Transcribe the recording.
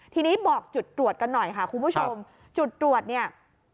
ทีนี้บอกจุดตรวจกันหน่อยค่ะคุณผู้ชมจุดตรวจเนี่ย